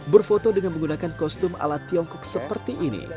berfoto dengan menggunakan kostum ala tiongkok seperti ini